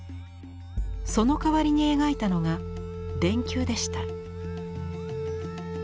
その代わりに描いたのが電球でした。